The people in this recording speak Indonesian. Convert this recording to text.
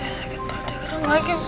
iya sakit perutnya keram lagi